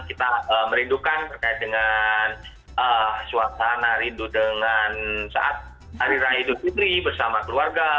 kita merindukan terkait dengan suasana rindu dengan saat hari raya idul fitri bersama keluarga